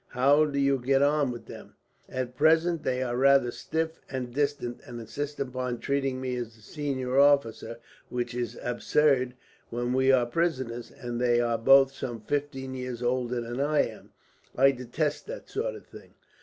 How do you get on with them?" "At present they are rather stiff and distant, and insist upon treating me as the senior officer; which is absurd when we are prisoners, and they are both some fifteen years older than I am. I detest that sort of thing.